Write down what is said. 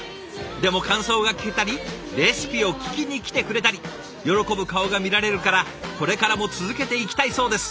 でも感想が聞けたりレシピを聞きに来てくれたり喜ぶ顔が見られるからこれからも続けていきたいそうです！